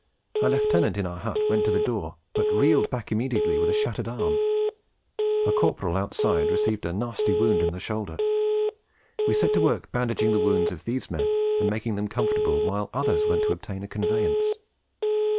A Lieutenant in our hut went to the door, but reeled back immediately with a shattered arm. A Corporal outside received a nasty wound in the shoulder. We set to work bandaging the wounds of these men and making them comfortable while others went to obtain a conveyance.